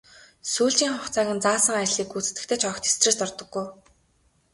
Сүүлчийн хугацааг нь заасан ажлыг гүйцэтгэхдээ ч огт стресст ордоггүй.